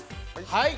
はい。